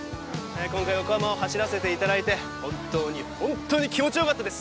今回、横浜を走らせていただいて本当に本当に気持ちよかったです。